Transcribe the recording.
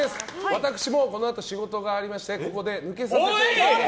私もこのあと仕事がありましてここで抜けさせていただきます。